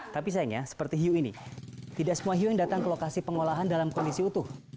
tapi sayangnya seperti hiu ini tidak semua hiu yang datang ke lokasi pengolahan dalam kondisi utuh